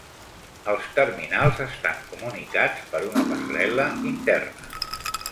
Els terminals estan comunicats per una passarel·la interna.